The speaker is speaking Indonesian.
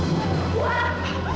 bi bangun bi